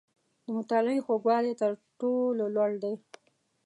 • د مطالعې خوږوالی، تر ټولو لوړ دی.